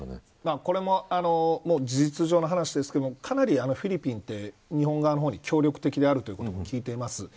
これも事実上の話ですけどかなりフィリピンって日本側に協力的であることも聞いています。